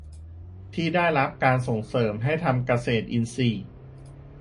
ที่ได้รับการส่งเสริมให้ทำเกษตรอินทรีย์